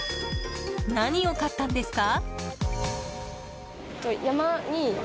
何を買ったんですか？